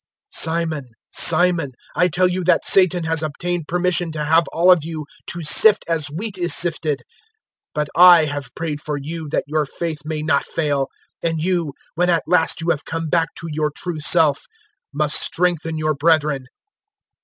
022:031 "Simon, Simon, I tell you that Satan has obtained permission to have all of you to sift as wheat is sifted. 022:032 But *I* have prayed for *you* that your faith may not fail, and you, when at last you have come back to your true self, must strengthen your brethren."